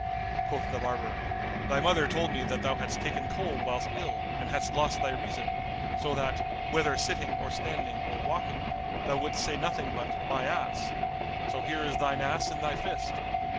Quoth the barber, "Thy mother told me that thou hadst taken cold whilst ill, and hadst lost thy reason, so that, whether sitting or standing or walking, thou wouldst say nothing but My ass! So here is thine ass in thy fist."